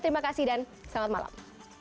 terima kasih dan selamat malam